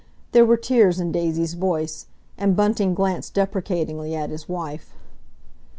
There were tears in Daisy's voice, and Bunting glanced deprecatingly at his wife.